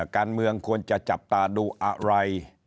การเมืองควรจะจับตาดูอะไร